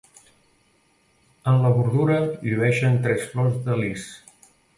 En la bordura llueixen tres flors de lis.